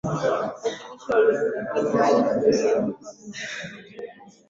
wawakilishi wawili Lakini hali halisi yana viwango tofauti vya madaraka ya